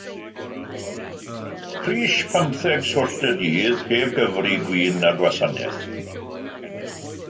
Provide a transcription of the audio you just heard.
Pris pymtheg swllt y dydd, heb gyfri gwin a gwasanaeth.